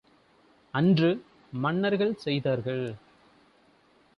அன்று மன்னர்கள் செய்தார்கள்!